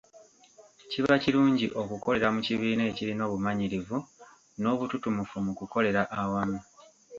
Kiba kirungi okukolera mu kibiina ekirina obumanyirivu n’obututumufu mu kukolera awamu.